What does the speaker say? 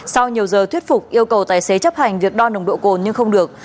sau nhiều giờ thuyết phục yêu cầu tài xế chấp hành việc đo nồng độ cồn nhưng không được